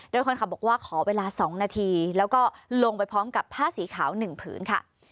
โดยคนขับบอกว่าขอเวลา๒นาทีแล้วก็ลงไปพร้อมกับผ้าสีขาว๑ผืนค่ะ